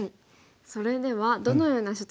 それではどのような処置が必要ですか？